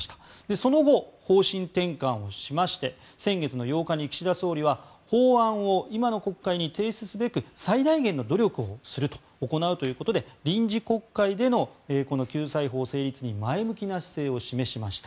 その後、方針転換をしまして先月の８日に岸田総理は法案を今の国会に提出すべく最大限の努力を行うということで臨時国会でのこの救済法成立に前向きな姿勢を示しました。